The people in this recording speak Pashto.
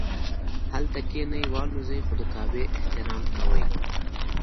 هلته کښیني والوځي خو د کعبې احترام کوي.